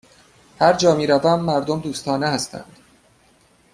هرجا می روم، مردم دوستانه هستند.